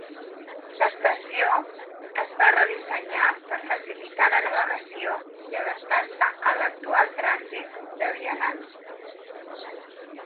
L'estació es va redissenyar per facilitar la navegació i adaptar-se a l'actual trànsit de vianants.